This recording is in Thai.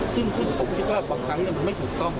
ซึ่งผมคิดว่าบางครั้งมันไม่ถูกต้อง